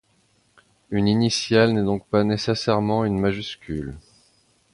Une initiale n’est donc pas nécessairement une majuscule.